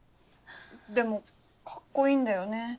でもカッコいいんだよね。